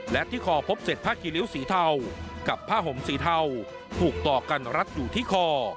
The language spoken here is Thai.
และที่คอพบเสร็จผ้ากี่ริ้วสีเทากับผ้าห่มสีเทาถูกต่อกันรัดอยู่ที่คอ